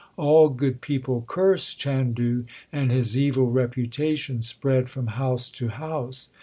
All good people cursed Chandu, and his evil reputation spread from house to house.